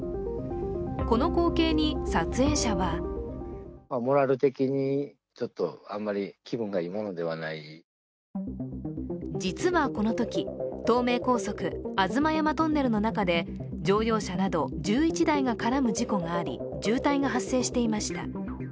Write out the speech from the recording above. この光景に撮影者は実はこのとき、東名高速・吾妻山トンネルの中で、乗用車など１１台が絡む事故があり、渋滞が発生していました。